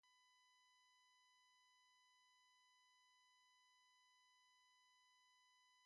The young people of the next village run after them and hurl it back.